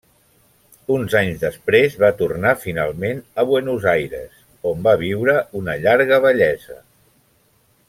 Uns anys després va tornar finalment a Buenos Aires on va viure una llarga vellesa.